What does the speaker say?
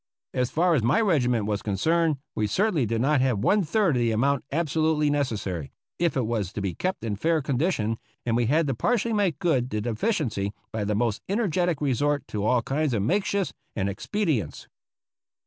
As far as my regiment was concerned, we certainly did not have one third of the amount absolutely necessary, if it was to be kept in fair condition, and we had to partially make good the deficiency by the most energetic resort to all kinds of makeshifts and expedients.